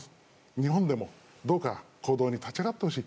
日本でも、どうか行動に立ち上がってほしい。